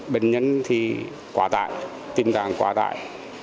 bệnh nhân thì quá tải tình trạng quá tải